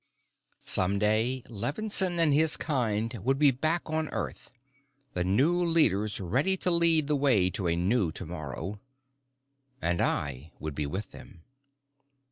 Someday Levinsohn and his kind would be back on Earth, the new leaders ready to lead the way to a new tomorrow. And I would be with them.